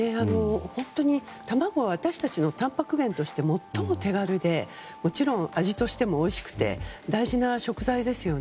卵は私たちのたんぱく源として最も手軽でもちろん味としてもおいしくて大事な食材ですよね。